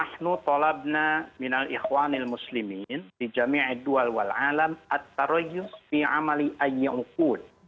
kita tolak dari ikhwan muslim di jami' dual wal alam at tarayus di amali ayyukud